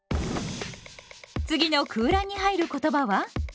次の空欄に入る言葉は？